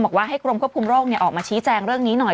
บอกว่าให้กรมควบคุมโรคออกมาชี้แจงเรื่องนี้หน่อย